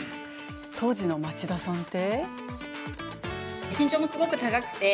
当時の町田さんは？